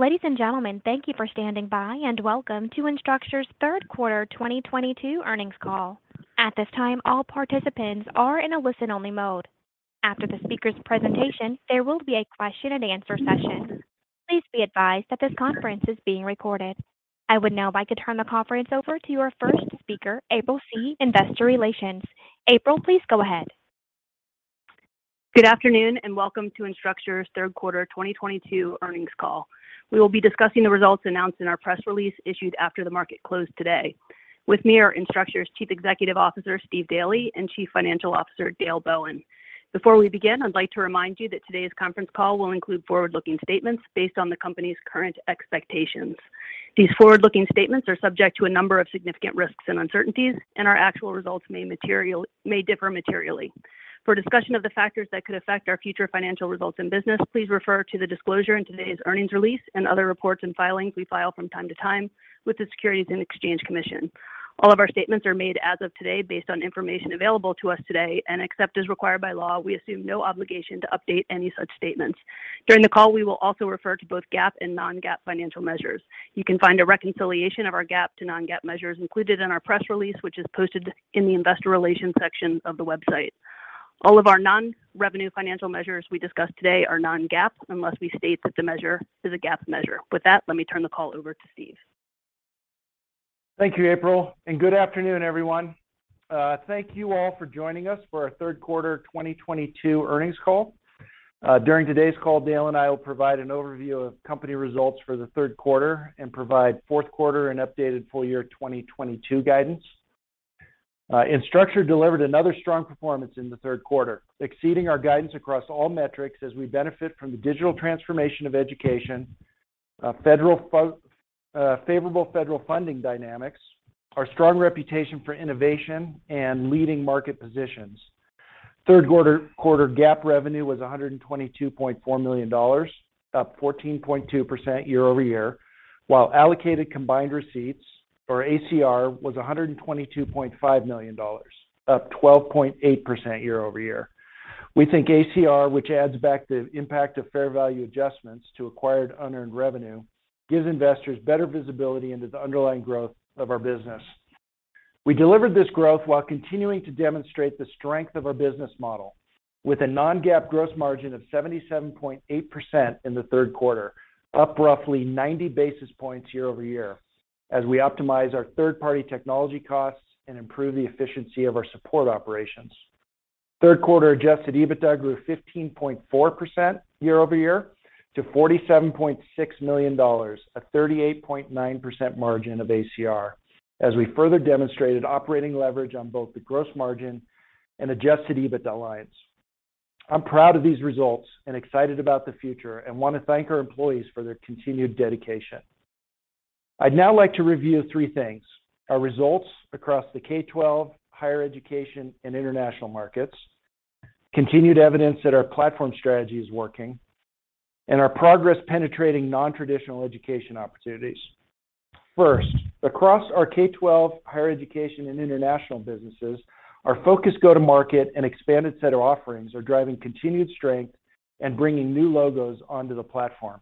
Ladies and gentlemen, thank you for standing by, and welcome to Instructure's Third Quarter 2022 Earnings Call. At this time, all participants are in a listen-only mode. After the speaker's presentation, there will be a question and answer session. Please be advised that this conference is being recorded. I would now like to turn the conference over to our first speaker, April Scee, Investor Relations. April, please go ahead. Good afternoon and welcome to Instructure's Third Quarter 2022 Earnings Call. We will be discussing the results announced in our press release issued after the market closed today. With me are Instructure's Chief Executive Officer, Steve Daly, and Chief Financial Officer, Dale Bowen. Before we begin, I'd like to remind you that today's conference call will include forward-looking statements based on the company's current expectations. These forward-looking statements are subject to a number of significant risks and uncertainties, and our actual results may differ materially. For a discussion of the factors that could affect our future financial results and business, please refer to the disclosure in today's earnings release and other reports and filings we file from time to time with the Securities and Exchange Commission. All of our statements are made as of today based on information available to us today, and except as required by law, we assume no obligation to update any such statements. During the call, we will also refer to both GAAP and non-GAAP financial measures. You can find a reconciliation of our GAAP to non-GAAP measures included in our press release, which is posted in the investor relations section of the website. All of our non-revenue financial measures we discuss today are non-GAAP unless we state that the measure is a GAAP measure. With that, let me turn the call over to Steve. Thank you, April, and good afternoon, everyone. Thank you all for joining us for our third quarter 2022 earnings call. During today's call, Dale and I will provide an overview of company results for the third quarter and provide fourth quarter and updated full year 2022 guidance. Instructure delivered another strong performance in the third quarter, exceeding our guidance across all metrics as we benefit from the digital transformation of education, favorable federal funding dynamics, our strong reputation for innovation and leading market positions. Third quarter GAAP revenue was $122.4 million, up 14.2% year-over-year, while allocated combined receipts or ACR was $122.5 million, up 12.8% year-over-year. We think ACR, which adds back the impact of fair value adjustments to acquired unearned revenue, gives investors better visibility into the underlying growth of our business. We delivered this growth while continuing to demonstrate the strength of our business model with a non-GAAP gross margin of 77.8% in the third quarter, up roughly 90 basis points year-over-year as we optimize our third-party technology costs and improve the efficiency of our support operations. Third quarter adjusted EBITDA grew 15.4% year-over-year to $47.6 million, a 38.9% margin of ACR as we further demonstrated operating leverage on both the gross margin and adjusted EBITDA lines. I'm proud of these results and excited about the future and want to thank our employees for their continued dedication. I'd now like to review three things. Our results across the K-12, higher education, and international markets, continued evidence that our platform strategy is working, and our progress penetrating non-traditional education opportunities. First, across our K-12, higher education, and international businesses, our focused go-to-market and expanded set of offerings are driving continued strength and bringing new logos onto the platform.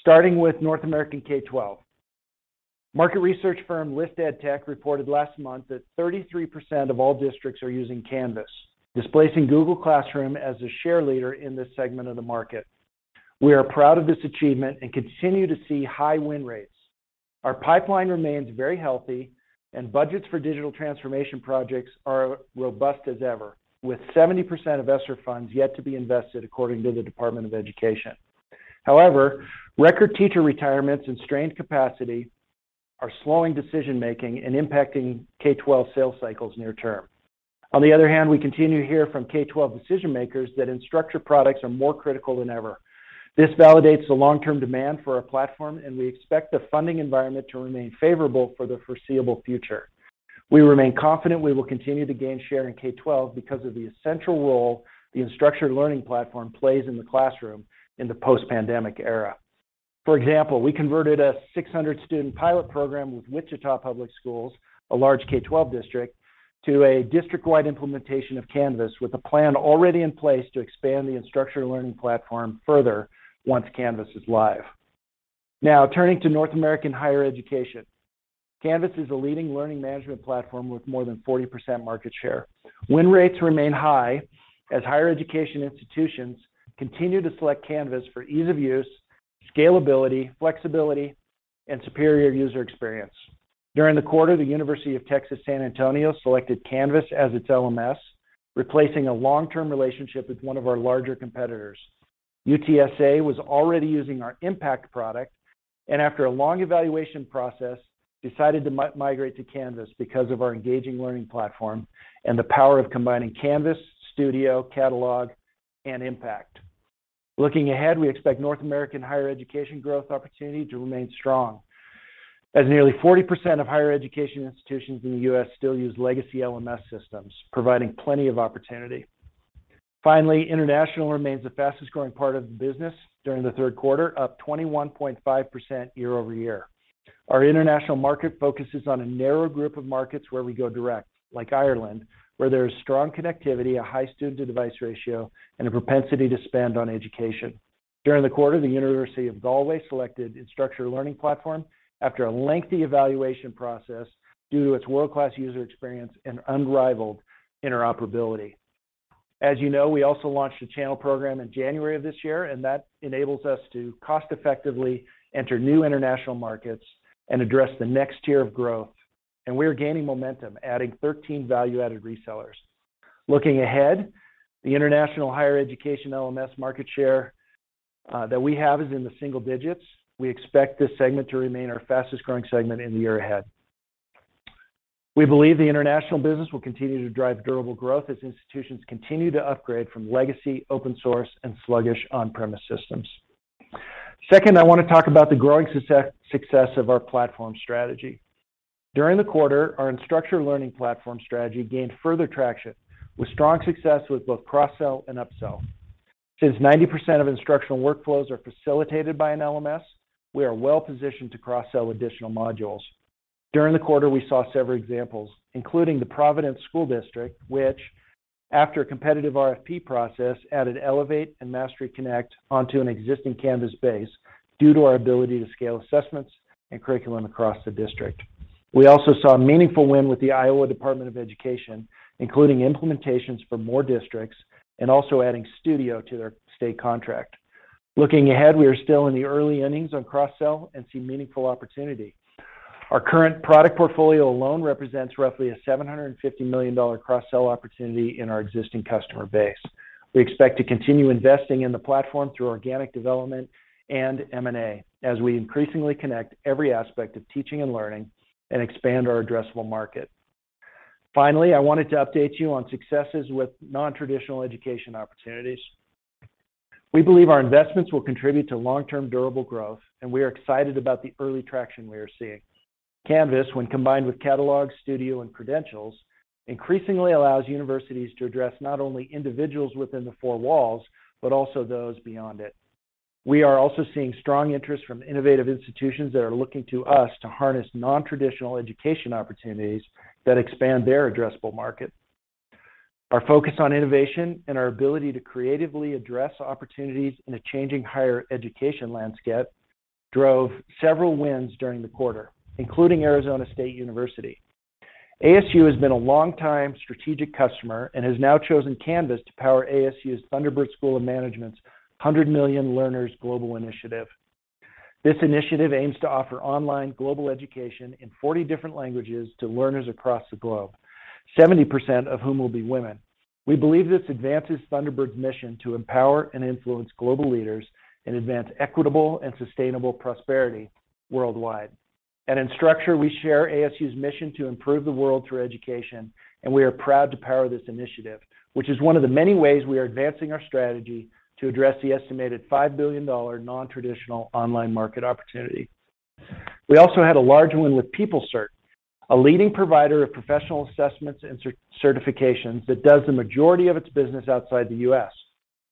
Starting with North American K-12. Market research firm ListEdTech reported last month that 33% of all districts are using Canvas, displacing Google Classroom as the share leader in this segment of the market. We are proud of this achievement and continue to see high win rates. Our pipeline remains very healthy and budgets for digital transformation projects are robust as ever, with 70% of ESSER funds yet to be invested according to the Department of Education. However, record teacher retirements and strained capacity are slowing decision-making and impacting K-12 sales cycles near term. On the other hand, we continue to hear from K-12 decision-makers that Instructure products are more critical than ever. This validates the long-term demand for our platform, and we expect the funding environment to remain favorable for the foreseeable future. We remain confident we will continue to gain share in K-12 because of the essential role the Instructure Learning Platform plays in the classroom in the post-pandemic era. For example, we converted a 600-student pilot program with Wichita Public Schools, a large K-12 district, to a district-wide implementation of Canvas with a plan already in place to expand the Instructure Learning Platform further once Canvas is live. Now, turning to North American higher education. Canvas is a leading learning management platform with more than 40% market share. Win rates remain high as higher education institutions continue to select Canvas for ease of use, scalability, flexibility, and superior user experience. During the quarter, the University of Texas at San Antonio selected Canvas as its LMS, replacing a long-term relationship with one of our larger competitors. UTSA was already using our Impact product and after a long evaluation process, decided to migrate to Canvas because of our engaging learning platform and the power of combining Canvas, Studio, Catalog, and Impact. Looking ahead, we expect North American higher education growth opportunity to remain strong as nearly 40% of higher education institutions in the US still use legacy LMS systems, providing plenty of opportunity. Finally, international remains the fastest-growing part of the business during the third quarter, up 21.5% year-over-year. Our international market focuses on a narrow group of markets where we go direct, like Ireland, where there is strong connectivity, a high student-to-device ratio, and a propensity to spend on education. During the quarter, the University of Galway selected Instructure Learning Platform after a lengthy evaluation process due to its world-class user experience and unrivaled interoperability. As you know, we also launched a channel program in January of this year, and that enables us to cost-effectively enter new international markets and address the next tier of growth. We are gaining momentum, adding 13 value-added resellers. Looking ahead, the international higher education LMS market share that we have is in the single digits. We expect this segment to remain our fastest-growing segment in the year ahead. We believe the international business will continue to drive durable growth as institutions continue to upgrade from legacy, open source, and sluggish on-premise systems. Second, I want to talk about the growing success of our platform strategy. During the quarter, our Instructure Learning Platform strategy gained further traction with strong success with both cross-sell and up-sell. Since 90% of instructional workflows are facilitated by an LMS, we are well-positioned to cross-sell additional modules. During the quarter, we saw several examples, including the Providence School District, which, after a competitive RFP process, added Elevate and MasteryConnect onto an existing Canvas base due to our ability to scale assessments and curriculum across the district. We also saw a meaningful win with the Iowa Department of Education, including implementations for more districts and also adding Studio to their state contract. Looking ahead, we are still in the early innings on cross-sell and see meaningful opportunity. Our current product portfolio alone represents roughly a $750 million cross-sell opportunity in our existing customer base. We expect to continue investing in the platform through organic development and M&A as we increasingly connect every aspect of teaching and learning and expand our addressable market. Finally, I wanted to update you on successes with nontraditional education opportunities. We believe our investments will contribute to long-term durable growth, and we are excited about the early traction we are seeing. Canvas, when combined with Catalog, Studio, and Credentials, increasingly allows universities to address not only individuals within the four walls but also those beyond it. We are also seeing strong interest from innovative institutions that are looking to us to harness nontraditional education opportunities that expand their addressable market. Our focus on innovation and our ability to creatively address opportunities in a changing higher education landscape drove several wins during the quarter, including Arizona State University. ASU has been a long-time strategic customer and has now chosen Canvas to power ASU's Thunderbird School of Global Management's 100 Million Learners Global Initiative. This initiative aims to offer online global education in 40 different languages to learners across the globe, 70% of whom will be women. We believe this advances Thunderbird's mission to empower and influence global leaders and advance equitable and sustainable prosperity worldwide. At Instructure, we share ASU's mission to improve the world through education, and we are proud to power this initiative, which is one of the many ways we are advancing our strategy to address the estimated $5 billion nontraditional online market opportunity. We also had a large win with PeopleCert, a leading provider of professional assessments and certifications that does the majority of its business outside the U.S.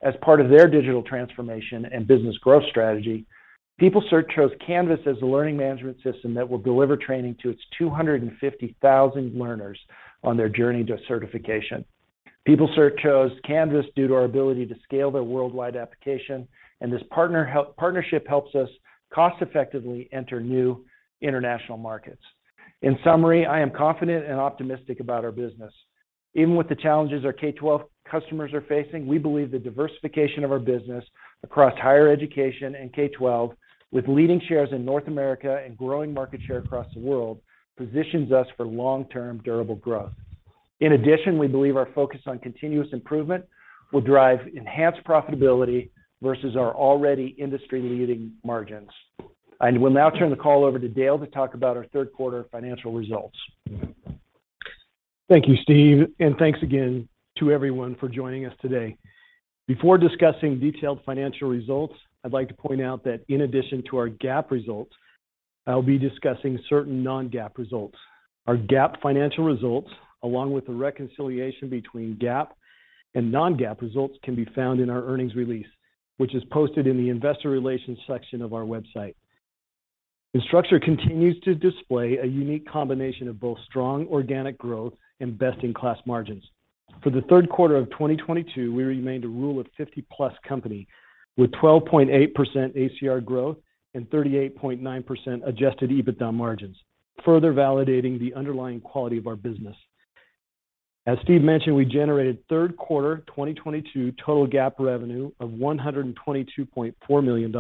As part of their digital transformation and business growth strategy, PeopleCert chose Canvas as the learning management system that will deliver training to its 250,000 learners on their journey to certification. PeopleCert chose Canvas due to our ability to scale their worldwide application, and this partnership helps us cost-effectively enter new international markets. In summary, I am confident and optimistic about our business. Even with the challenges our K-12 customers are facing, we believe the diversification of our business across higher education and K-12, with leading shares in North America and growing market share across the world, positions us for long-term durable growth. In addition, we believe our focus on continuous improvement will drive enhanced profitability versus our already industry-leading margins. I will now turn the call over to Dale to talk about our third quarter financial results. Thank you, Steve, and thanks again to everyone for joining us today. Before discussing detailed financial results, I'd like to point out that in addition to our GAAP results, I'll be discussing certain non-GAAP results. Our GAAP financial results, along with the reconciliation between GAAP and non-GAAP results, can be found in our earnings release, which is posted in the investor relations section of our website. Instructure continues to display a unique combination of both strong organic growth and best-in-class margins. For the third quarter of 2022, we remained a Rule of 50+ company with 12.8% ACR growth and 38.9% adjusted EBITDA margins, further validating the underlying quality of our business. As Steve mentioned, we generated third quarter 2022 total GAAP revenue of $122.4 million,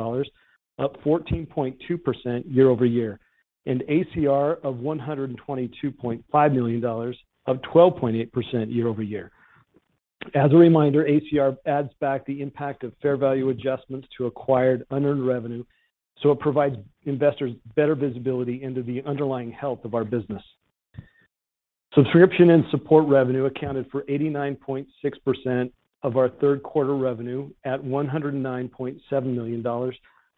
up 14.2% year-over-year, and ACR of $122.5 million, up 12.8% year-over-year. As a reminder, ACR adds back the impact of fair value adjustments to acquired unearned revenue, so it provides investors better visibility into the underlying health of our business. Subscription and support revenue accounted for 89.6% of our third quarter revenue at $109.7 million,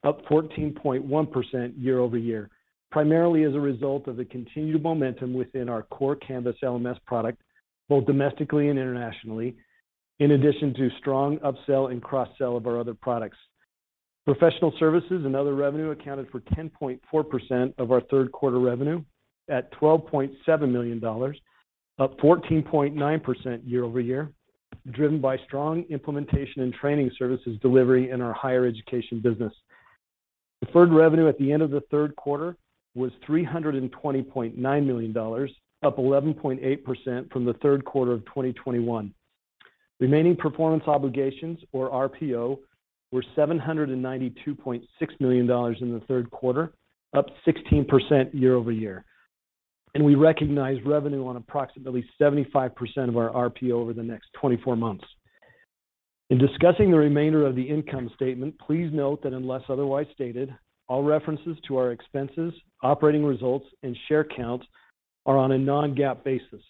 up 14.1% year-over-year, primarily as a result of the continued momentum within our core Canvas LMS product, both domestically and internationally. In addition to strong upsell and cross-sell of our other products. Professional services and other revenue accounted for 10.4% of our third quarter revenue at $12.7 million, up 14.9% year-over-year, driven by strong implementation and training services delivery in our higher education business. Deferred revenue at the end of the third quarter was $320.9 million, up 11.8% from the third quarter of 2021. Remaining performance obligations, or RPO, were $792.6 million in the third quarter, up 16% year-over-year. We recognized revenue on approximately 75% of our RPO over the next 24 months. In discussing the remainder of the income statement, please note that unless otherwise stated, all references to our expenses, operating results, and share counts are on a non-GAAP basis.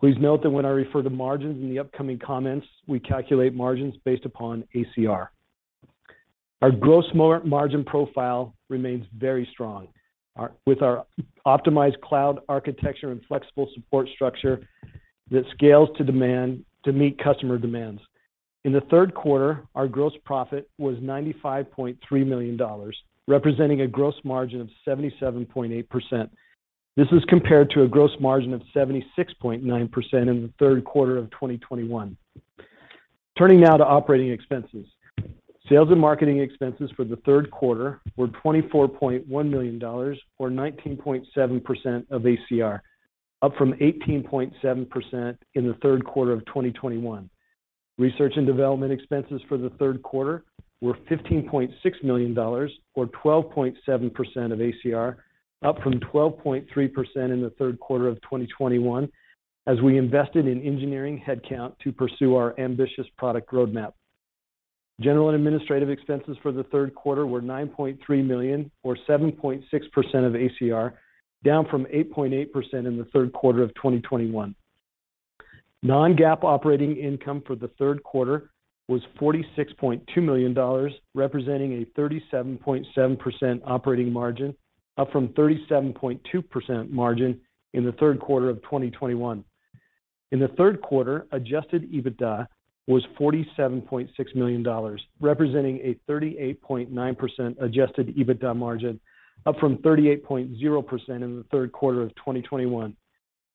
Please note that when I refer to margins in the upcoming comments, we calculate margins based upon ACR. Our gross margin profile remains very strong, with our optimized cloud architecture and flexible support structure that scales to demand to meet customer demands. In the third quarter, our gross profit was $95.3 million, representing a gross margin of 77.8%. This is compared to a gross margin of 76.9% in the third quarter of 2021. Turning now to operating expenses. Sales and marketing expenses for the third quarter were $24.1 million or 19.7% of ACR, up from 18.7% in the third quarter of 2021. Research and development expenses for the third quarter were $15.6 million or 12.7% of ACR, up from 12.3% in the third quarter of 2021 as we invested in engineering headcount to pursue our ambitious product roadmap. General and administrative expenses for the third quarter were $9.3 million or 7.6% of ACR, down from 8.8% in the third quarter of 2021. non-GAAP operating income for the third quarter was $46.2 million, representing a 37.7% operating margin, up from 37.2% margin in the third quarter of 2021. In the third quarter, adjusted EBITDA was $47.6 million, representing a 38.9% adjusted EBITDA margin, up from 38.0% in the third quarter of 2021.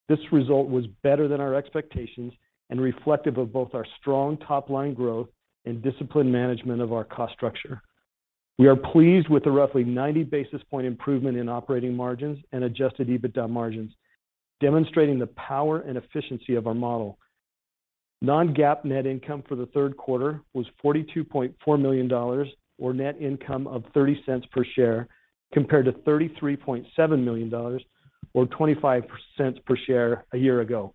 This result was better than our expectations and reflective of both our strong top-line growth and disciplined management of our cost structure. We are pleased with the roughly 90 basis points improvement in operating margins and adjusted EBITDA margins, demonstrating the power and efficiency of our model. Non-GAAP net income for the third quarter was $42.4 million or net income of $0.30 per share, compared to $33.7 million or $0.25 per share a year ago.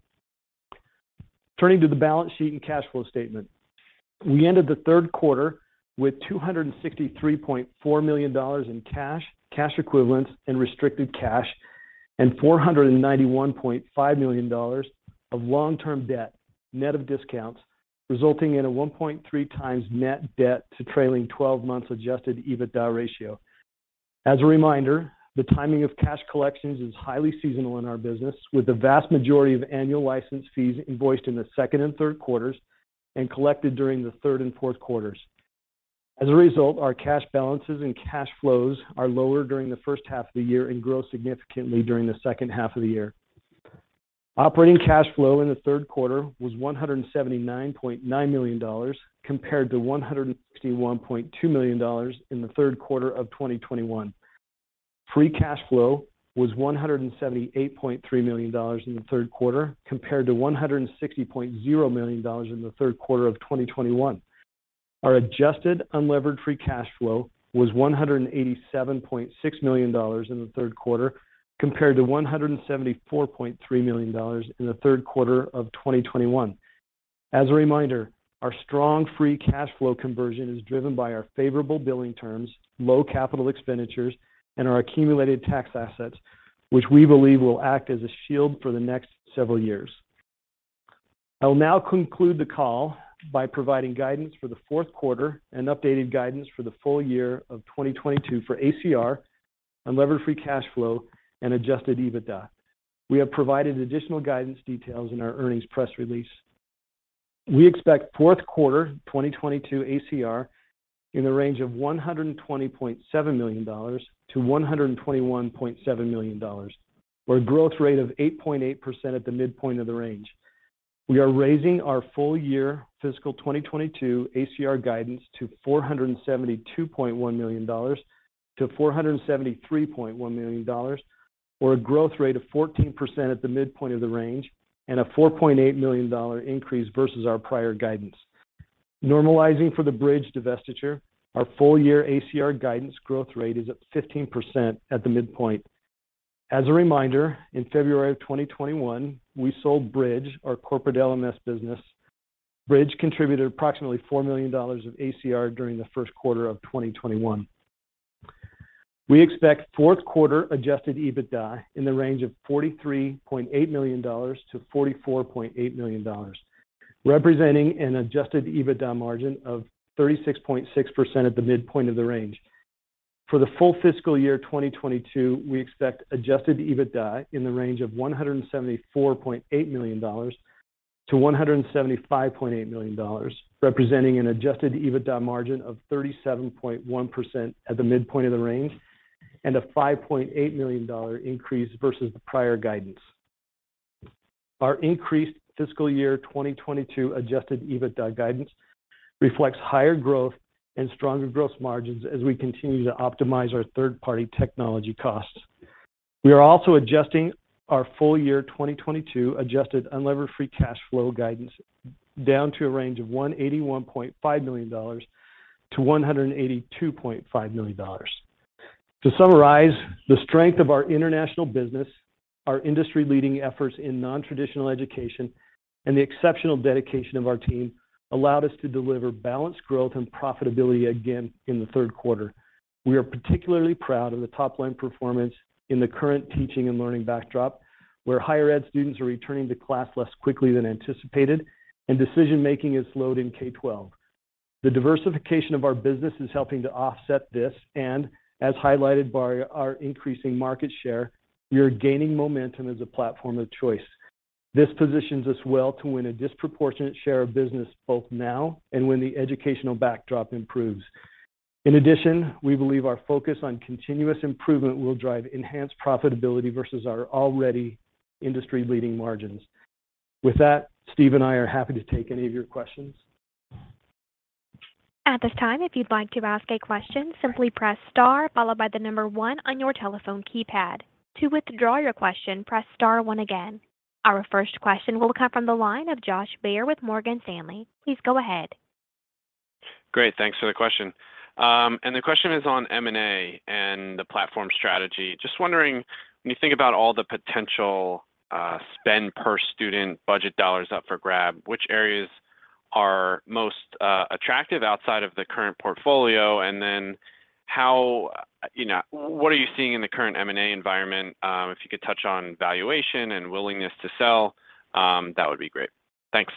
Turning to the balance sheet and cash flow statement. We ended the third quarter with $263.4 million in cash equivalents, and restricted cash, and $491.5 million of long-term debt, net of discounts, resulting in a 1.3x net debt to trailing twelve months adjusted EBITDA ratio. As a reminder, the timing of cash collections is highly seasonal in our business, with the vast majority of annual license fees invoiced in the second and third quarters and collected during the third and fourth quarters. As a result, our cash balances and cash flows are lower during the first half of the year and grow significantly during the second half of the year. Operating cash flow in the third quarter was $179.9 million compared to $161.2 million in the third quarter of 2021. Free cash flow was $178.3 million in the third quarter compared to $160.0 million in the third quarter of 2021. Our adjusted unlevered free cash flow was $187.6 million in the third quarter compared to $174.3 million in the third quarter of 2021. As a reminder, our strong free cash flow conversion is driven by our favorable billing terms, low capital expenditures, and our accumulated tax assets, which we believe will act as a shield for the next several years. I will now conclude the call by providing guidance for the fourth quarter and updated guidance for the full year of 2022 for ACR, unlevered free cash flow, and adjusted EBITDA. We have provided additional guidance details in our earnings press release. We expect fourth quarter 2022 ACR in the range of $120.7 million-$121.7 million, or a growth rate of 8.8% at the midpoint of the range. We are raising our full year fiscal 2022 ACR guidance to $472.1 million-$473.1 million, or a growth rate of 14% at the midpoint of the range and a $4.8 million increase versus our prior guidance. Normalizing for the Bridge divestiture, our full year ACR guidance growth rate is up 15% at the midpoint. As a reminder, in February of 2021, we sold Bridge, our corporate LMS business. Bridge contributed approximately $4 million of ACR during the first quarter of 2021. We expect fourth quarter adjusted EBITDA in the range of $43.8 million-$44.8 million, representing an adjusted EBITDA margin of 36.6% at the midpoint of the range. For the full fiscal year 2022, we expect adjusted EBITDA in the range of $174.8 million-$175.8 million, representing an adjusted EBITDA margin of 37.1% at the midpoint of the range and a $5.8 million increase versus the prior guidance. Our increased fiscal year 2022 adjusted EBITDA guidance reflects higher growth and stronger gross margins as we continue to optimize our third-party technology costs. We are also adjusting our full year 2022 adjusted unlevered free cash flow guidance down to a range of $181.5 million-$182.5 million. To summarize, the strength of our international business, our industry-leading efforts in non-traditional education, and the exceptional dedication of our team allowed us to deliver balanced growth and profitability again in the third quarter. We are particularly proud of the top line performance in the current teaching and learning backdrop, where higher ed students are returning to class less quickly than anticipated and decision-making is slowed in K-12. The diversification of our business is helping to offset this, and as highlighted by our increasing market share, we are gaining momentum as a platform of choice. This positions us well to win a disproportionate share of business both now and when the educational backdrop improves. In addition, we believe our focus on continuous improvement will drive enhanced profitability versus our already industry-leading margins. With that, Steve and I are happy to take any of your questions. At this time, if you'd like to ask a question, simply press star followed by the number one on your telephone keypad. To withdraw your question, press star one again. Our first question will come from the line of Josh Baer with Morgan Stanley. Please go ahead. Great. Thanks for the question. The question is on M&A and the platform strategy. Just wondering, when you think about all the potential spend per student budget dollars up for grabs, which areas are most attractive outside of the current portfolio? Then, what are you seeing in the current M&A environment? If you could touch on valuation and willingness to sell, that would be great. Thanks.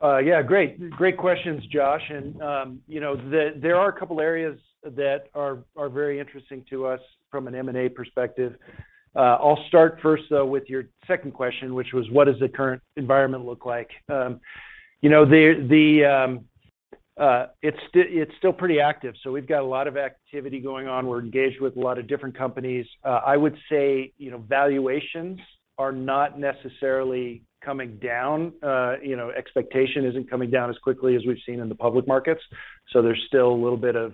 Great questions, Josh. You know, there are a couple areas that are very interesting to us from an M&A perspective. I'll start first, though, with your second question, which was what does the current environment look like? You know, it's still pretty active, so we've got a lot of activity going on. We're engaged with a lot of different companies. I would say, you know, valuations are not necessarily coming down. You know, expectation isn't coming down as quickly as we've seen in the public markets, so there's still a little bit of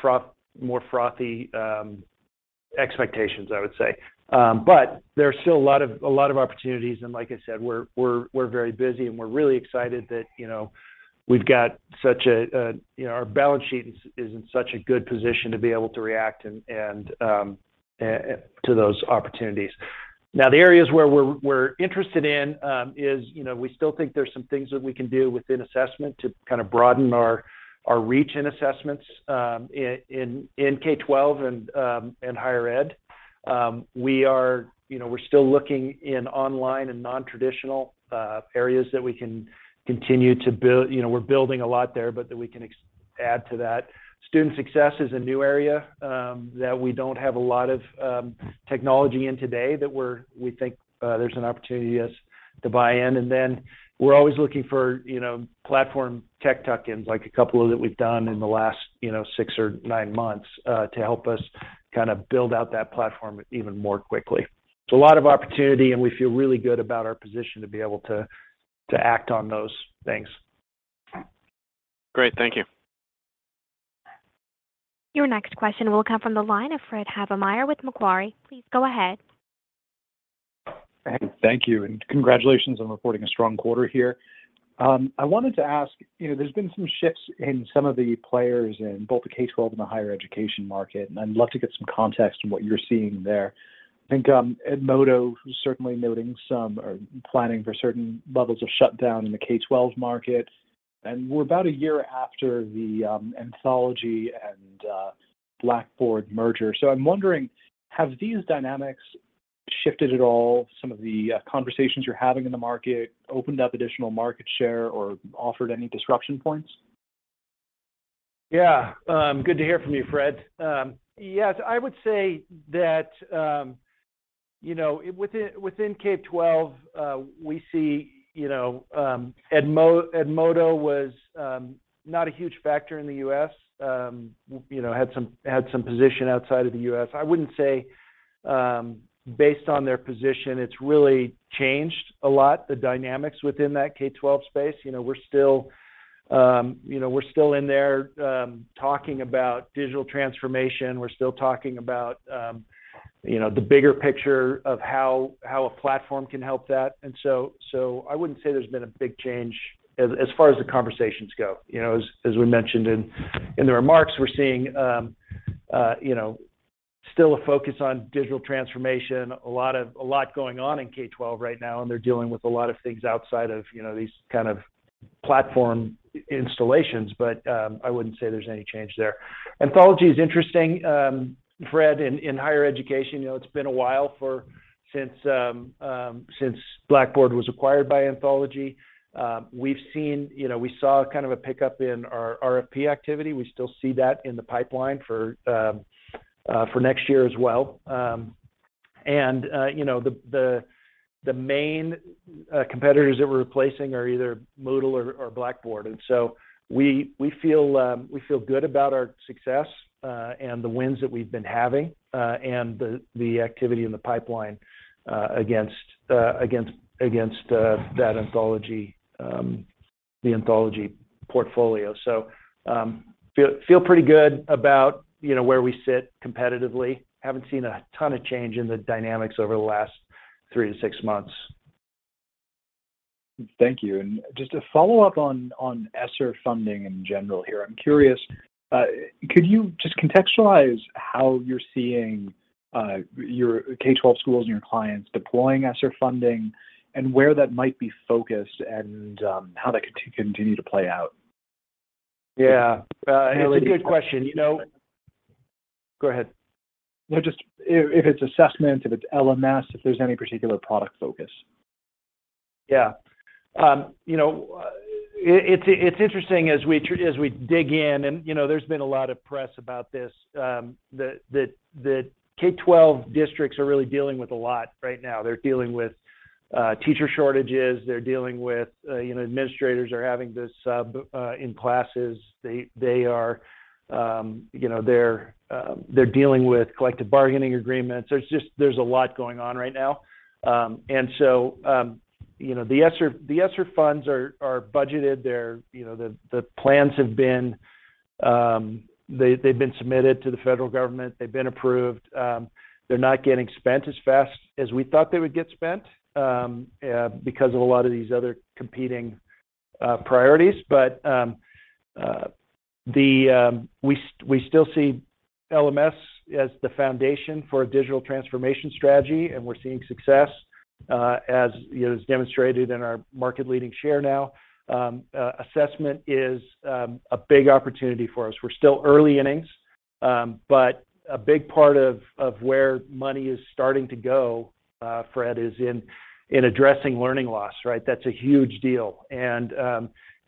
froth, more frothy expectations, I would say. There are still a lot of opportunities, and like I said, we're very busy, and we're really excited that, you know, we've got such a. You know, our balance sheet is in such a good position to be able to react and to those opportunities. Now, the areas where we're interested in is, you know, we still think there's some things that we can do within assessment to kind of broaden our reach in assessments, in K-12 and higher ed. You know, we're still looking in online and non-traditional areas that we can continue to build. You know, we're building a lot there, but that we can add to that. Student success is a new area that we don't have a lot of technology in today that we think there's an opportunity, yes, to buy in. Then we're always looking for, you know, platform tech tuck-ins, like a couple that we've done in the last, you know, 6 or 9 months, to help us kind of build out that platform even more quickly. A lot of opportunity, and we feel really good about our position to be able to act on those things. Great. Thank you. Your next question will come from the line of Fred Havemeyer with Macquarie. Please go ahead. Thank you, and congratulations on reporting a strong quarter here. I wanted to ask, you know, there's been some shifts in some of the players in both the K-12 and the higher education market, and I'd love to get some context on what you're seeing there. I think, Edmodo is certainly noting some or planning for certain levels of shutdown in the K-12 market, and we're about a year after the Anthology and Blackboard merger. I'm wondering, have these dynamics shifted at all some of the conversations you're having in the market, opened up additional market share or offered any disruption points? Yeah. Good to hear from you, Fred. Yes, I would say that, you know, within K-12, we see, you know, Edmodo was not a huge factor in the U.S. You know, had some position outside of the U.S. I wouldn't say, based on their position, it's really changed a lot, the dynamics within that K-12 space. You know, we're still, you know, we're still in there talking about digital transformation. We're still talking about, you know, the bigger picture of how a platform can help that. I wouldn't say there's been a big change as far as the conversations go. You know, as we mentioned in the remarks, we're seeing you know, still a focus on digital transformation, a lot going on in K-12 right now, and they're dealing with a lot of things outside of you know, these kind of platform installations, but I wouldn't say there's any change there. Anthology is interesting. Fred, in higher education, you know, it's been a while since Blackboard was acquired by Anthology. We've seen. You know, we saw kind of a pickup in our RFP activity. We still see that in the pipeline for next year as well. You know, the main competitors that we're replacing are either Moodle or Blackboard. We feel good about our success and the wins that we've been having and the activity in the pipeline against that Anthology portfolio. We feel pretty good about, you know, where we sit competitively. Haven't seen a ton of change in the dynamics over the last 3-6 months. Thank you. Just a follow-up on ESSER funding in general here. I'm curious, could you just contextualize how you're seeing your K-12 schools and your clients deploying ESSER funding and where that might be focused and, how that could continue to play out? Yeah. It's a good question. You know. Go ahead. No, just if it's assessment, if it's LMS, if there's any particular product focus. Yeah. You know, it's interesting as we dig in. You know, there's been a lot of press about this. The K-12 districts are really dealing with a lot right now. They're dealing with teacher shortages. They're dealing with administrators having to sub in classes. They're dealing with collective bargaining agreements. There's a lot going on right now. You know, the ESSER funds are budgeted. The plans have been submitted to the federal government. They've been approved. They're not getting spent as fast as we thought they would get spent because of a lot of these other competing priorities. We still see LMS as the foundation for a digital transformation strategy, and we're seeing success, you know, as demonstrated in our market leading share now. Assessment is a big opportunity for us. We're still early innings, but a big part of where money is starting to go, Fred, is in addressing learning loss, right? That's a huge deal.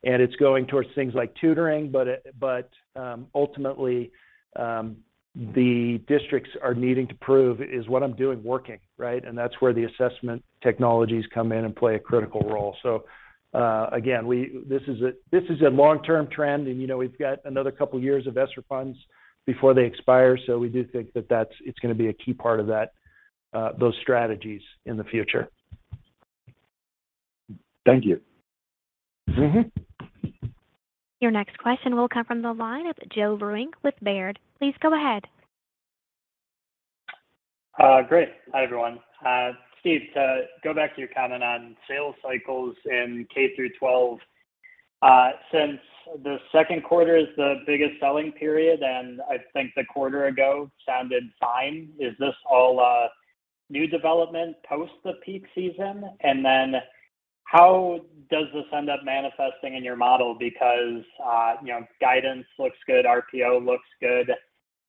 It's going towards things like tutoring, but ultimately, the districts are needing to prove, "Is what I'm doing working?" Right? That's where the assessment technologies come in and play a critical role. Again, this is a long-term trend and, you know, we've got another couple years of ESSER funds before they expire. We do think that it's gonna be a key part of that, those strategies in the future. Thank you. Mm-hmm. Your next question will come from the line of Joe Vruwink with Baird. Please go ahead. Great. Hi, everyone. Steve, to go back to your comment on sales cycles in K-12. Since the second quarter is the biggest selling period, and I think a quarter ago sounded fine, is this all new development post the peak season? Then how does this end up manifesting in your model? Because you know, guidance looks good, RPO looks good.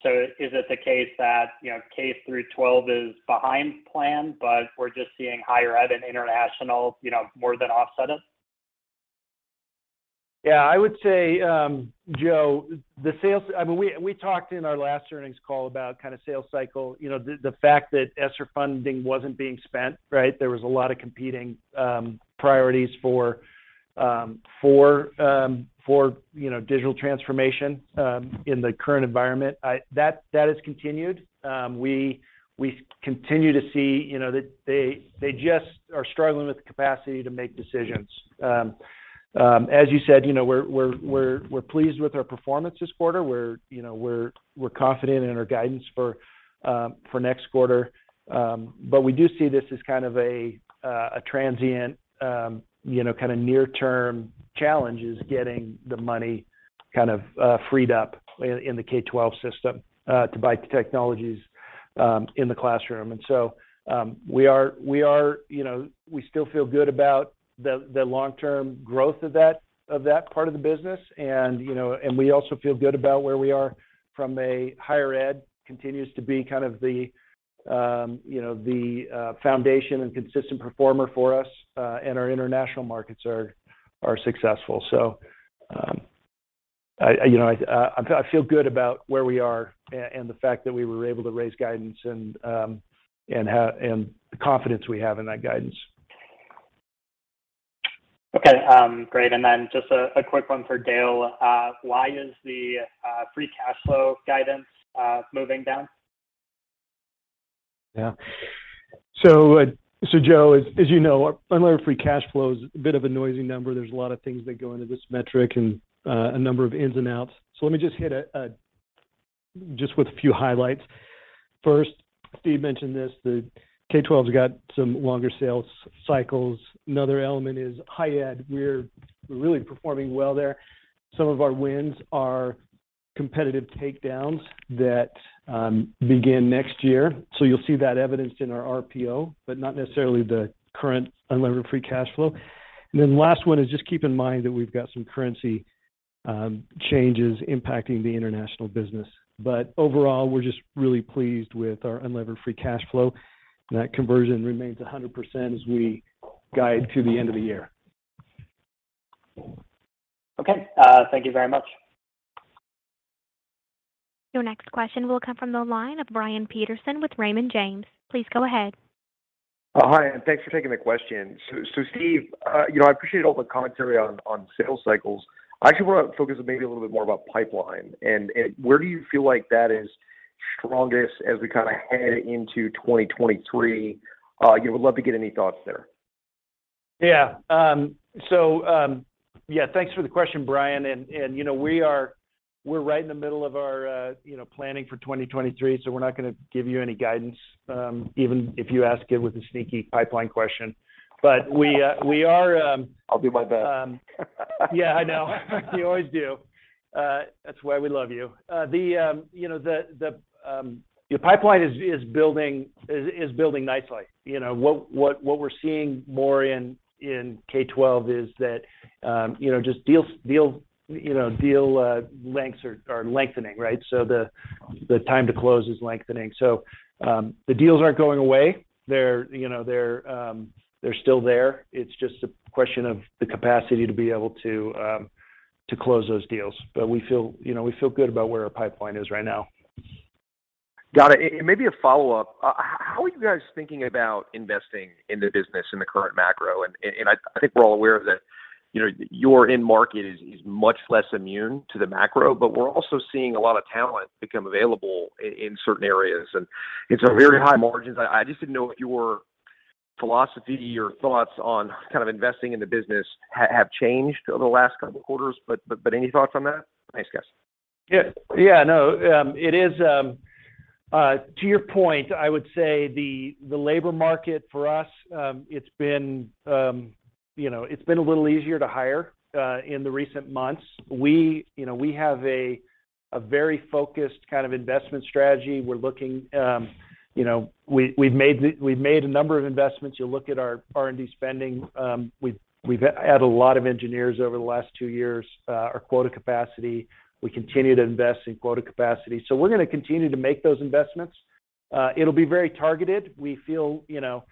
Is it the case that you know, K-12 is behind plan, but we're just seeing higher ed and international you know, more than offset it? Yeah. I would say, Joe, the sales. I mean, we talked in our last earnings call about kind of sales cycle. You know, the fact that ESSER funding wasn't being spent, right? There was a lot of competing priorities for digital transformation in the current environment. That has continued. We continue to see, you know, that they just are struggling with the capacity to make decisions. As you said, you know, we're pleased with our performance this quarter. We're confident in our guidance for next quarter. We do see this as kind of a transient, you know, kind of near-term challenge in getting the money kind of freed up in the K-12 system to buy technologies in the classroom. You know, we still feel good about the long-term growth of that part of the business, and you know, we also feel good about where we are from a higher ed continues to be kind of the foundation and consistent performer for us, and our international markets are successful. You know, I feel good about where we are and the fact that we were able to raise guidance and the confidence we have in that guidance. Okay. Great. Just a quick one for Dale. Why is the free cash flow guidance moving down? Yeah. Joe, as you know, our underlying free cash flow is a bit of a noisy number. There's a lot of things that go into this metric and a number of ins and outs. Let me just hit a few highlights. First, Steve mentioned this. The K-12's got some longer sales cycles. Another element is higher ed. We're really performing well there. Some of our wins are competitive takedowns that begin next year. You'll see that evidenced in our RPO, but not necessarily the current unlevered free cash flow. Then the last one is just keep in mind that we've got some currency changes impacting the international business. Overall, we're just really pleased with our unlevered free cash flow, and that conversion remains 100% as we guide through the end of the year. Okay. Thank you very much. Your next question will come from the line of Brian Peterson with Raymond James. Please go ahead. Hi, thanks for taking the question. Steve, you know, I appreciate all the commentary on sales cycles. I actually wanna focus maybe a little bit more about pipeline and where do you feel like that is strongest as we kind of head into 2023? You know, would love to get any thoughts there. Yeah. So, yeah, thanks for the question, Brian. You know, we're right in the middle of our, you know, planning for 2023, so we're not gonna give you any guidance, even if you ask it with a sneaky pipeline question. But we are. I'll do my best. Yeah, I know. You always do. That's why we love you. You know, the pipeline is building nicely. You know, what we're seeing more in K-12 is that, you know, just deal lengths are lengthening, right? The time to close is lengthening. The deals aren't going away. They're still there. It's just a question of the capacity to be able to close those deals. We feel good about where our pipeline is right now. Got it. Maybe a follow-up. How are you guys thinking about investing in the business in the current macro? I think we're all aware that, you know, your end market is much less immune to the macro, but we're also seeing a lot of talent become available in certain areas, and it's a very high margins. I just didn't know if your philosophy, your thoughts on kind of investing in the business have changed over the last couple quarters. Any thoughts on that? Thanks, guys. Yeah. No, to your point, I would say the labor market for us, it's been, you know, a little easier to hire in the recent months. We, you know, we have a very focused kind of investment strategy. We're looking, you know, we've made a number of investments. You look at our R&D spending, we've added a lot of engineers over the last 2 years, our quota capacity. We continue to invest in quota capacity. We're gonna continue to make those investments. It'll be very targeted. We feel, you know,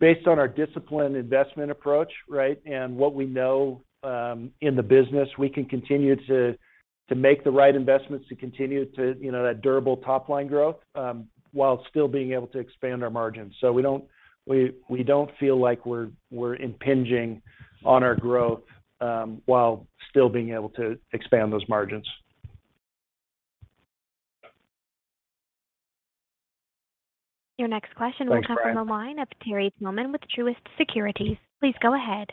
based on our disciplined investment approach, right? What we know in the business, we can continue to make the right investments to continue to, you know, that durable top-line growth, while still being able to expand our margins. We don't feel like we're impinging on our growth, while still being able to expand those margins. Your next question. Thanks, Brian.... will come from the line of Terry Tillman with Truist Securities. Please go ahead.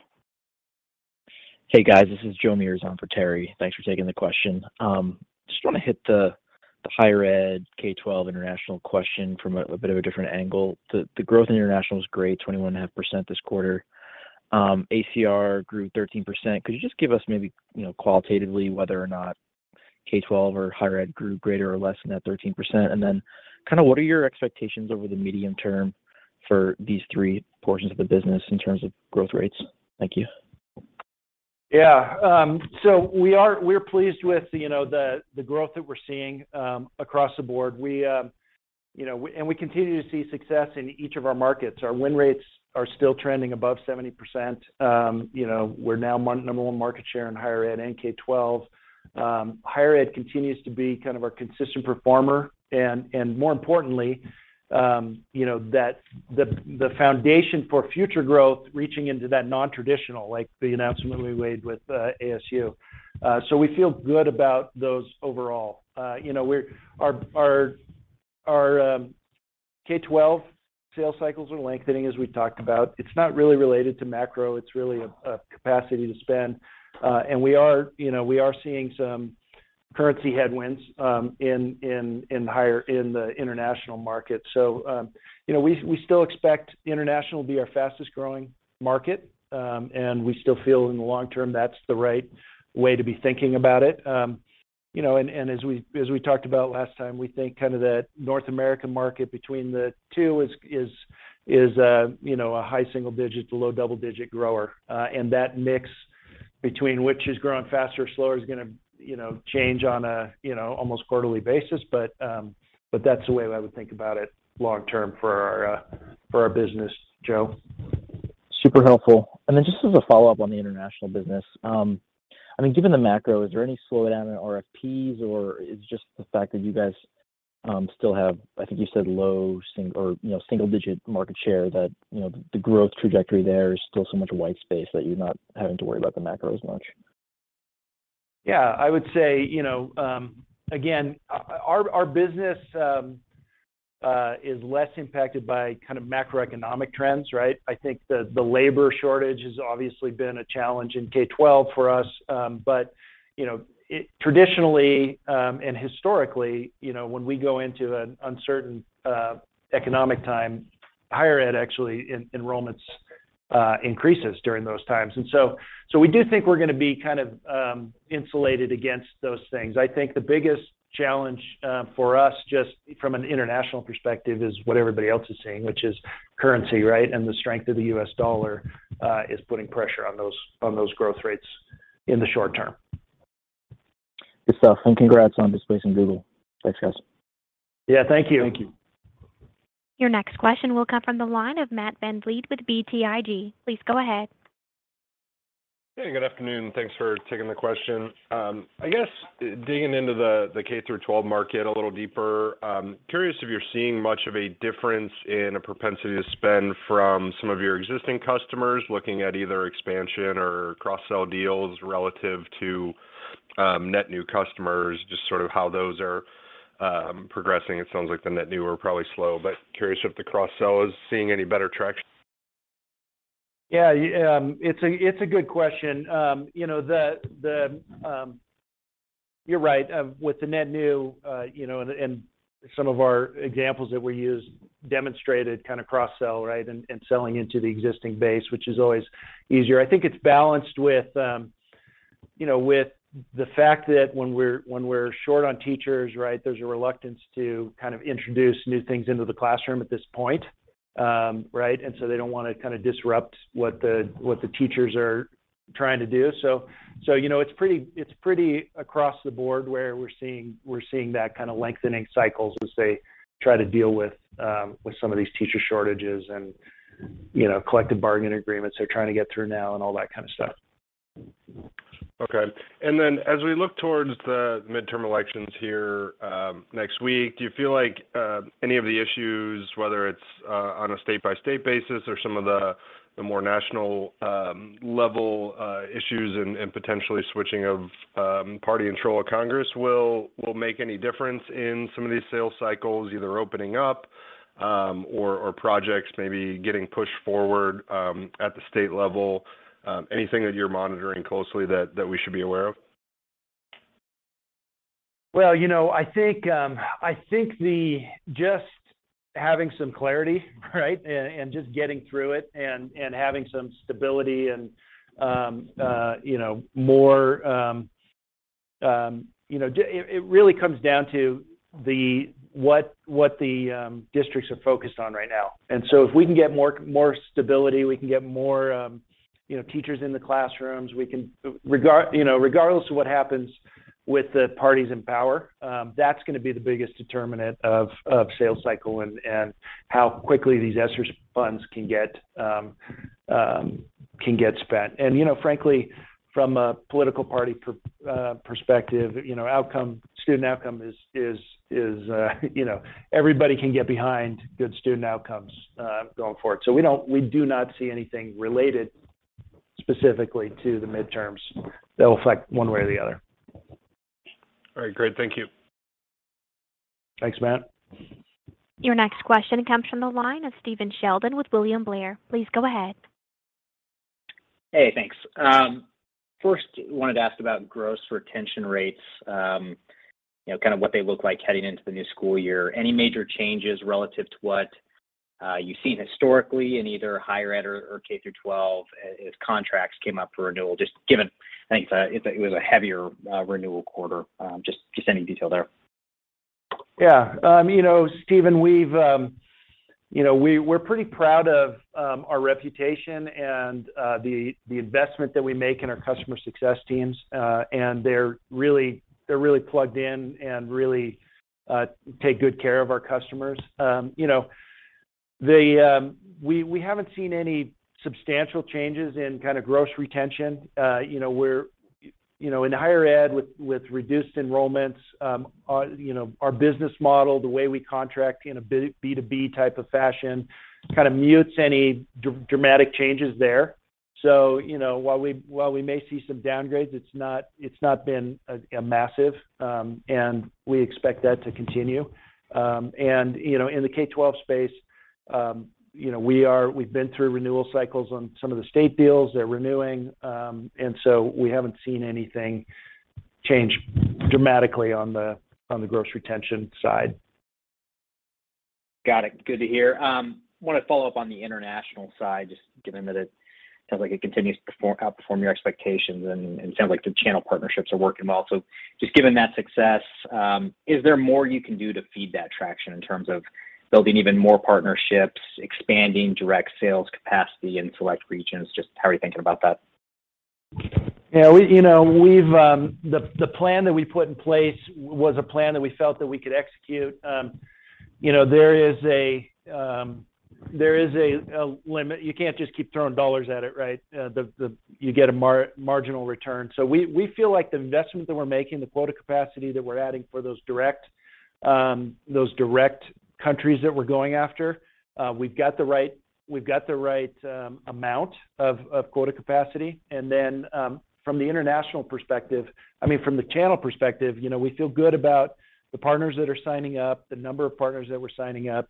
Hey, guys. This is Joe Mierzwa for Terry Tillman. Thanks for taking the question. Just wanna hit the higher ed, K-12 international question from a bit of a different angle. The growth in international is great, 21.5% this quarter. ACR grew 13%. Could you just give us maybe, you know, qualitatively whether or not K-12 or higher ed grew greater or less than that 13%? Then kind of what are your expectations over the medium term for these three portions of the business in terms of growth rates? Thank you. Yeah. We're pleased with the you know growth that we're seeing across the board. We you know continue to see success in each of our markets. Our win rates are still trending above 70%. We're now number one market share in higher ed and K-12. Higher ed continues to be kind of our consistent performer, and more importantly, you know the foundation for future growth reaching into that non-traditional, like the announcement that we made with ASU. We feel good about those overall. You know our K-12 sales cycles are lengthening, as we talked about. It's not really related to macro, it's really a capacity to spend. We are seeing some currency headwinds in the international market. You know, we still expect international to be our fastest-growing market, and we still feel in the long term that's the right way to be thinking about it. You know, as we talked about last time, we think kind of that North American market between the two is a high single digit to low double digit grower. That mix between which is growing faster or slower is gonna change on a almost quarterly basis. But that's the way I would think about it long term for our business, Joe. Super helpful. Just as a follow-up on the international business, I mean, given the macro, is there any slowdown in RFPs or is it just the fact that you guys still have, I think you said low single-digit, you know, single digit market share that, you know, the growth trajectory there is still so much white space that you're not having to worry about the macro as much? Yeah. I would say, you know, again, our business is less impacted by kind of macroeconomic trends, right? I think the labor shortage has obviously been a challenge in K-12 for us. You know, it traditionally and historically, you know, when we go into an uncertain economic time, higher ed actually enrollments increases during those times. We do think we're gonna be kind of insulated against those things. I think the biggest challenge for us just from an international perspective is what everybody else is seeing, which is currency, right? The strength of the U.S. dollar is putting pressure on those growth rates in the short term. Good stuff, and congrats on displacing Google. Thanks, guys. Yeah, thank you. Thank you. Your next question will come from the line of Matt VanVliet with BTIG. Please go ahead. Hey, good afternoon. Thanks for taking the question. I guess digging into the K-12 market a little deeper, curious if you're seeing much of a difference in a propensity to spend from some of your existing customers looking at either expansion or cross-sell deals relative to net new customers, just sort of how those are progressing. It sounds like the net new are probably slow, but curious if the cross-sell is seeing any better traction. Yeah, it's a good question. You're right, with the net new, you know, and some of our examples that we use demonstrated kind of cross-sell, right, and selling into the existing base, which is always easier. I think it's balanced with, you know, with the fact that when we're short on teachers, right, there's a reluctance to kind of introduce new things into the classroom at this point, right. They don't wanna kind of disrupt what the teachers are trying to do. you know, it's pretty across the board where we're seeing that kind of lengthening cycles as they try to deal with some of these teacher shortages and, you know, collective bargaining agreements they're trying to get through now and all that kind of stuff. Okay. Then as we look towards the midterm elections here, next week, do you feel like any of the issues, whether it's on a state-by-state basis or some of the more national level issues and potentially switching of party in control of Congress will make any difference in some of these sales cycles either opening up, or projects maybe getting pushed forward, at the state level? Anything that you're monitoring closely that we should be aware of? Well, you know, I think that's just having some clarity, right, and just getting through it and having some stability and, you know, more, you know. It really comes down to what the districts are focused on right now. If we can get more stability, we can get more, you know, teachers in the classrooms, you know, regardless of what happens with the parties in power, that's gonna be the biggest determinant of sales cycle and how quickly these ESSER funds can get spent. You know, frankly, from a political party's perspective, you know, student outcomes is, you know, everybody can get behind good student outcomes going forward. We do not see anything related specifically to the midterms that'll affect one way or the other. All right. Great. Thank you. Thanks, Matt. Your next question comes from the line of Stephen Sheldon with William Blair. Please go ahead. Hey, thanks. First wanted to ask about gross retention rates, you know, kind of what they look like heading into the new school year. Any major changes relative to what you've seen historically in either higher ed or K-12 as contracts came up for renewal, just given I think it was a heavier renewal quarter? Just any detail there. Yeah. You know, Stephen, we've, you know, we're pretty proud of our reputation and the investment that we make in our customer success teams. They're really plugged in and really take good care of our customers. You know, we haven't seen any substantial changes in kind of gross retention. You know, we're in higher ed with reduced enrollments, our business model, the way we contract in a B2B type of fashion kind of mutes any dramatic changes there. You know, while we may see some downgrades, it's not been a massive, and we expect that to continue. You know, in the K-12 space, you know, we've been through renewal cycles on some of the state deals. They're renewing. We haven't seen anything change dramatically on the gross retention side. Got it. Good to hear. Wanna follow up on the international side, just given that it sounds like it continues to outperform your expectations and sounds like the channel partnerships are working well. Just given that success, is there more you can do to feed that traction in terms of building even more partnerships, expanding direct sales capacity in select regions? Just how are you thinking about that? Yeah, you know, the plan that we put in place was a plan that we felt that we could execute. You know, there is a limit. You can't just keep throwing dollars at it, right? You get a marginal return. We feel like the investments that we're making, the quota capacity that we're adding for those direct countries that we're going after, we've got the right amount of quota capacity. From the international perspective, I mean, from the channel perspective, you know, we feel good about the partners that are signing up, the number of partners that we're signing up.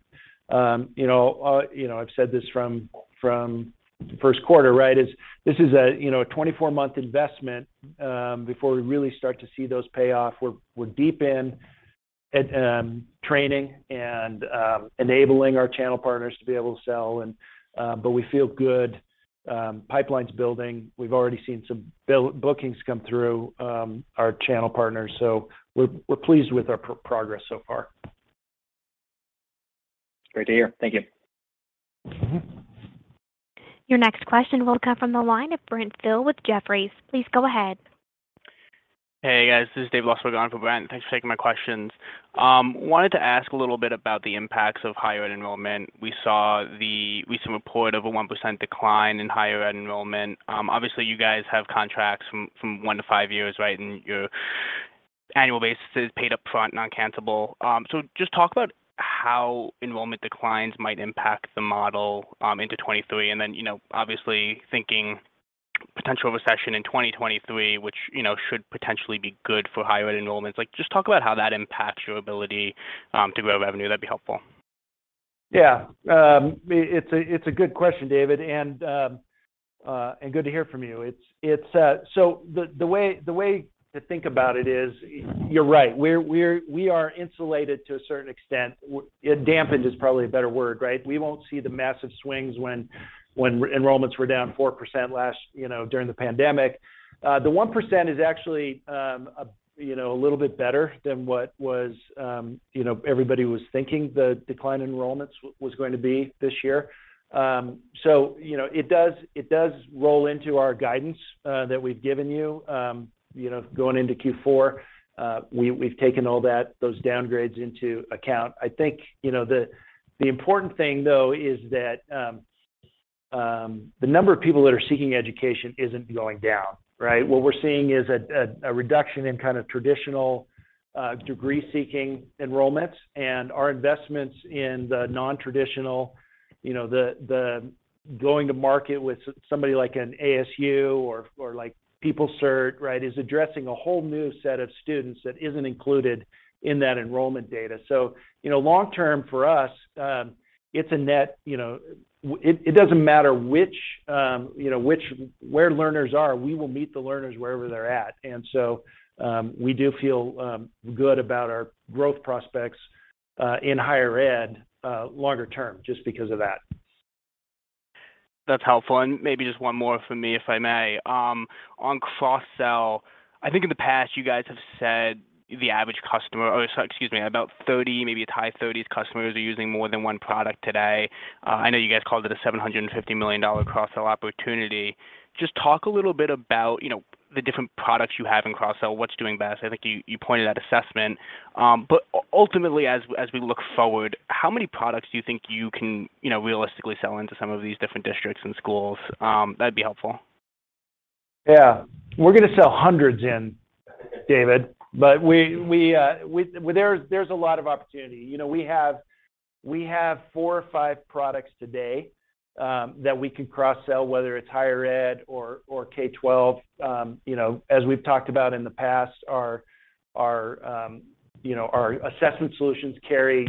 You know, I've said this from first quarter, right? This is a 24-month investment before we really start to see those pay off. We're deep into training and enabling our channel partners to be able to sell. We feel good, pipelines building. We've already seen some big bookings come through our channel partners, so we're pleased with our progress so far. Great to hear. Thank you. Mm-hmm. Your next question will come from the line of Brent Thill with Jefferies. Please go ahead. Hey, guys, this is David Lustberg on for Brent. Thanks for taking my questions. Wanted to ask a little bit about the impacts of higher ed enrollment. We saw the recent report of a 1% decline in higher ed enrollment. Obviously, you guys have contracts from 1-5 years, right? And your annual basis is paid up front, non-cancelable. Just talk about how enrollment declines might impact the model into 2023. You know, obviously the potential recession in 2023, which, you know, should potentially be good for higher ed enrollments. Like, just talk about how that impacts your ability to grow revenue, that'd be helpful. Yeah. It's a good question, David, and good to hear from you. The way to think about it is you're right. We are insulated to a certain extent. Dampened is probably a better word, right? We won't see the massive swings when enrollments were down 4% last, you know, during the pandemic. The 1% is actually a little bit better than what was, you know, everybody was thinking the decline in enrollments was going to be this year. It does roll into our guidance that we've given you know, going into Q4. We've taken all those downgrades into account. I think, you know, the important thing, though, is that the number of people that are seeking education isn't going down, right? What we're seeing is a reduction in kind of traditional degree-seeking enrollments and our investments in the non-traditional, you know, the going to market with somebody like an ASU or like PeopleCert, right, is addressing a whole new set of students that isn't included in that enrollment data. You know, long term for us, it's a net. You know, it doesn't matter which, you know, where learners are, we will meet the learners wherever they're at. We do feel good about our growth prospects in higher ed longer term just because of that. That's helpful. Maybe just one more from me, if I may. On cross-sell, I think in the past you guys have said about 30, maybe it's high 30s customers are using more than one product today. I know you guys called it a $750 million cross-sell opportunity. Just talk a little bit about, you know, the different products you have in cross-sell, what's doing best. I think you pointed out assessment. But ultimately, as we look forward, how many products do you think you can, you know, realistically sell into some of these different districts and schools? That'd be helpful. Yeah. We're gonna sell hundreds in, David. There's a lot of opportunity. You know, we have four or five products today that we can cross-sell, whether it's higher ed or K-12. You know, as we've talked about in the past, our assessment solutions carry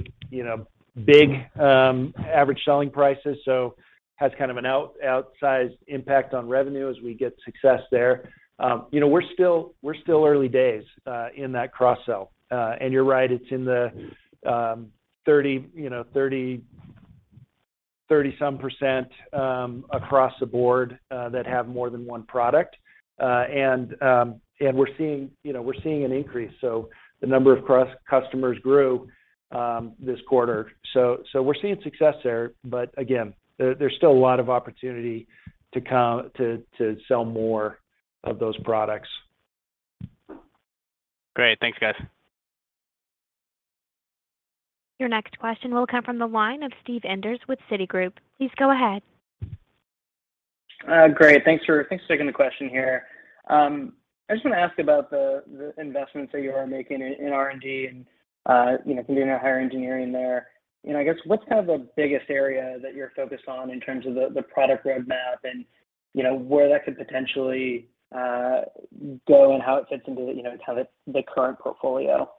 big average selling prices. So has kind of an outsized impact on revenue as we get success there. You know, we're still early days in that cross-sell. You're right, it's in the 30-some% across the board that have more than one product. We're seeing an increase, so the number of customers grew this quarter. We're seeing success there. Again, there's still a lot of opportunity to sell more of those products. Great. Thanks, guys. Your next question will come from the line of Steve Enders with Citigroup. Please go ahead. Great. Thanks for taking the question here. I just wanna ask about the investments that you are making in R&D and you know, continuing to hire engineering there. You know, I guess what's kind of the biggest area that you're focused on in terms of the product roadmap and you know, where that could potentially go and how it fits into the you know, kind of the current portfolio?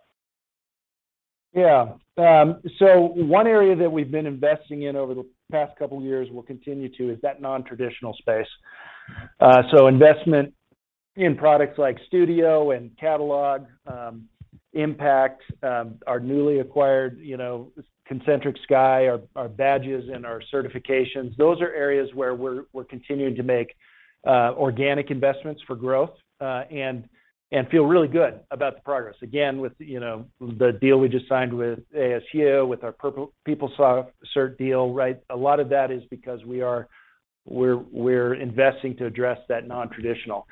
Yeah. One area that we've been investing in over the past couple years, we'll continue to, is that non-traditional space. Investment in products like Studio and Catalog, Impact, our newly acquired, you know, Concentric Sky, our badges and our certifications. Those are areas where we're continuing to make organic investments for growth, and feel really good about the progress. Again, with, you know, the deal we just signed with ASU, with our PeopleSoft cert deal, right? A lot of that is because we're investing to address that non-traditional.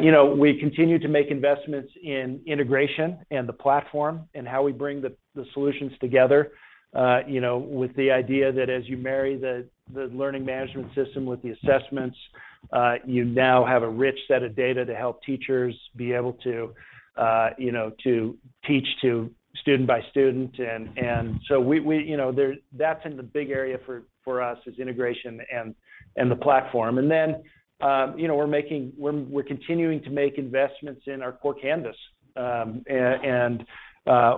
You know, we continue to make investments in integration and the platform and how we bring the solutions together, you know, with the idea that as you marry the learning management system with the assessments, you now have a rich set of data to help teachers be able to, you know, to teach to student by student. That's been the big area for us, is integration and the platform. We're continuing to make investments in our core Canvas, and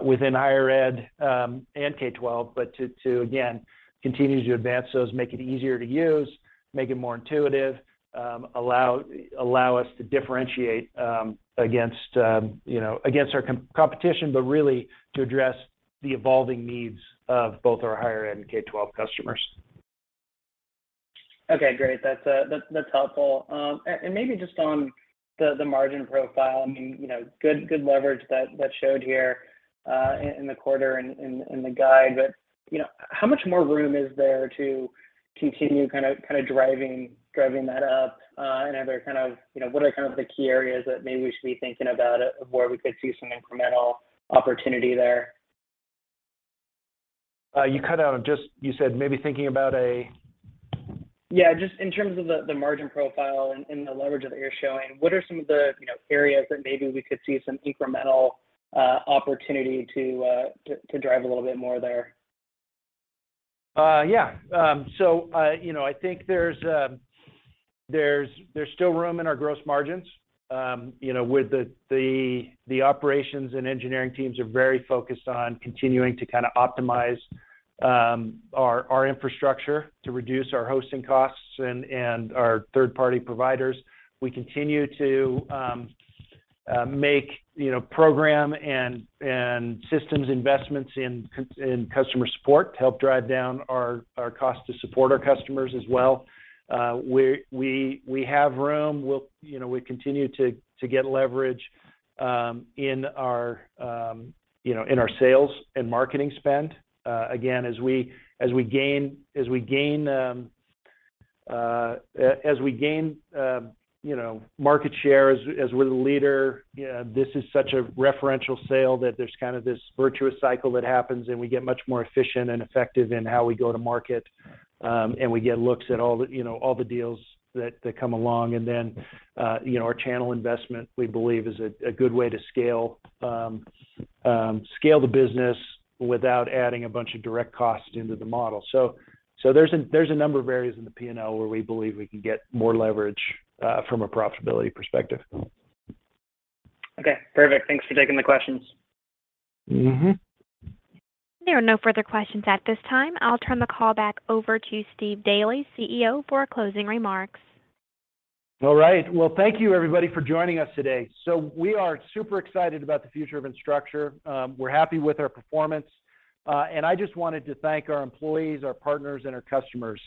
within higher ed and K-12. To again continue to advance those, make it easier to use, make it more intuitive, allow us to differentiate against, you know, against our competition, but really to address the evolving needs of both our higher ed and K-12 customers. Okay, great. That's helpful. Maybe just on the margin profile. I mean, you know, good leverage that showed here in the quarter and in the guide. You know, how much more room is there to continue kind of driving that up? You know, what are kind of the key areas that maybe we should be thinking about of where we could see some incremental opportunity there? You cut out. Just you said, "Maybe thinking about a. Yeah, just in terms of the margin profile and the leverage that you're showing, what are some of the, you know, areas that maybe we could see some incremental opportunity to drive a little bit more there? Yeah, you know, I think there's still room in our gross margins. You know, with the operations and engineering teams are very focused on continuing to kind of optimize our infrastructure to reduce our hosting costs and our third-party providers. We continue to make, you know, program and systems investments in customer support to help drive down our cost to support our customers as well. We have room. You know, we continue to get leverage in our sales and marketing spend. Again, as we gain, you know, market share as we're the leader, this is such a referential sale that there's kind of this virtuous cycle that happens, and we get much more efficient and effective in how we go to market. We get looks at all the deals that come along. You know, our channel investment, we believe, is a good way to scale the business without adding a bunch of direct costs into the model. There's a number of areas in the P&L where we believe we can get more leverage from a profitability perspective. Okay, perfect. Thanks for taking the questions. Mm-hmm. There are no further questions at this time. I'll turn the call back over to Steve Daly, CEO, for closing remarks. All right. Well, thank you everybody for joining us today. We are super excited about the future of Instructure. We're happy with our performance. I just wanted to thank our employees, our partners, and our customers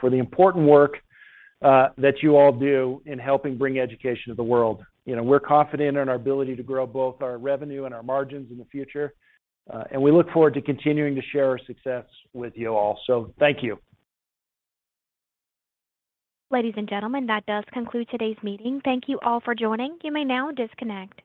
for the important work that you all do in helping bring education to the world. You know, we're confident in our ability to grow both our revenue and our margins in the future. We look forward to continuing to share our success with you all. Thank you. Ladies and gentlemen, that does conclude today's meeting. Thank you all for joining. You may now disconnect.